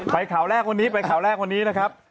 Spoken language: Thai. ไปข่าวแรกวันนี้นะครับ